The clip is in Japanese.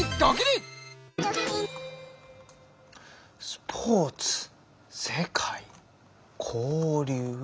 「スポーツ世界交流」。